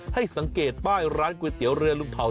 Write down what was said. ให้สังเกตป้ายร้านก๋วยเตี๋ยวเรือลุงเผา